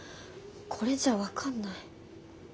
これじゃ分かんない。